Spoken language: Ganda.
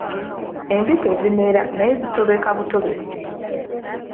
Envi tezimera naye zitobeka butobesi.